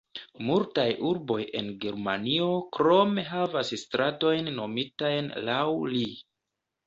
Multaj urboj en Germanio krome havas stratojn nomitajn laŭ li.